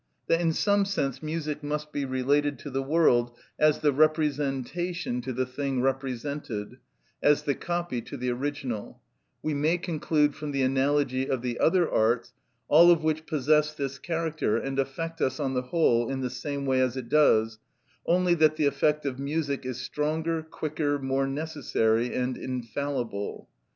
That in some sense music must be related to the world as the representation to the thing represented, as the copy to the original, we may conclude from the analogy of the other arts, all of which possess this character, and affect us on the whole in the same way as it does, only that the effect of music is stronger, quicker, more necessary and infallible.